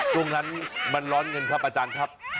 ช่วงนั้นมันร้อนเงินครับอาจารย์ครับ